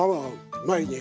うまいね。